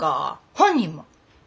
本人も？